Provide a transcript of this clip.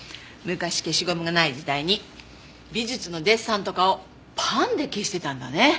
昔消しゴムがない時代に美術のデッサンとかをパンで消してたんだね。